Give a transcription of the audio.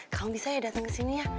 kaum bisa ya datang ke sini ya